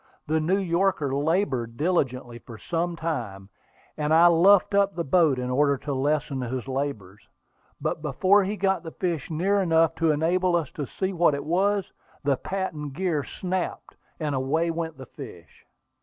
The New Yorker labored diligently for some time, and I luffed up the boat in order to lessen his labors; but before he got the fish near enough to enable us to see what he was, the patent gear snapped, and away went the fish.